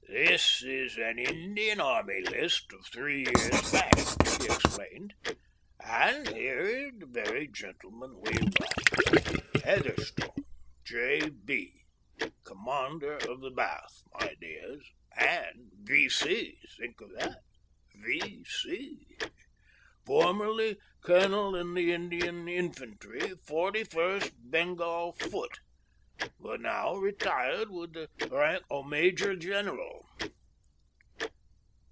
"This is an Indian Army List of three years back," he explained, "and here is the very gentleman we want 'Heatherstone, J. B., Commander of the Bath,' my dears, and 'V.C.', think of that, 'V.C.' 'formerly colonel in the Indian Infantry, 41st Bengal Foot, but now retired with the rank of major general.'